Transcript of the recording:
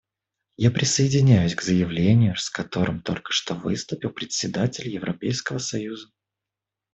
Я присоединяюсь к заявлению, с которым только что выступил представитель Европейского союза.